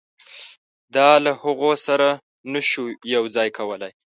دا له هغوی سره نه شو یو ځای کولای.